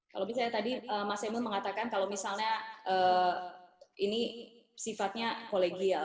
kalau misalnya tadi mas emil mengatakan kalau misalnya ini sifatnya kolegial